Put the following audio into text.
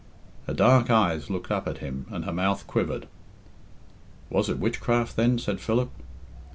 Her dark eyes looked up at him and her mouth quivered. "Was it witchcraft, then?" said Philip.